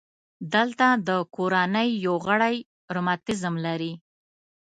دلته د کورنۍ یو غړی رماتیزم لري.